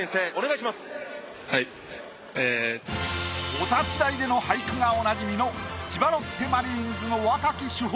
お立ち台での俳句がおなじみの「千葉ロッテマリーンズ」の若き主砲